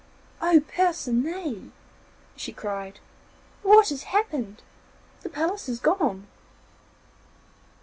'Oh, Percinet!' she cried, 'what has happened? The palace is gone.